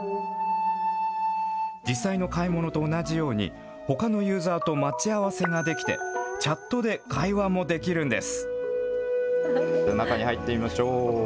実際の買い物と同じように、ほかのユーザーと待ち合わせができて、チャットで会話もできるんです。